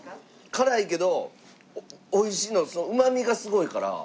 辛いけどおいしいうまみがすごいからいけちゃうね。